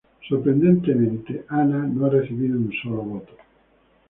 Sorprendentemente, Ana no ha recibido un solo voto.